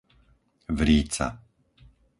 Vríca